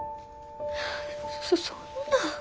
そんな。